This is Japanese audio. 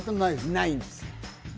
ないです。